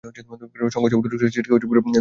সংঘর্ষে অটোরিকশাটি ছিটকে পড়ে দুমড়ে মুচড়ে যায়।